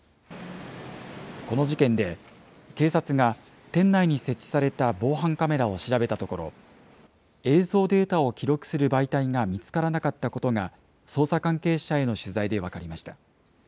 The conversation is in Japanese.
この事件で、警察が店内に設置された防犯カメラを調べたところ、映像データを記録する媒体が見つからなかったことが、捜査関係者への取材で分かりました。